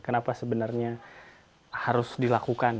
kenapa sebenarnya harus dilakukan